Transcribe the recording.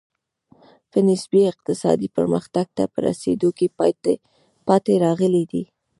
په نسبي اقتصادي پرمختګ ته په رسېدو کې پاتې راغلي دي.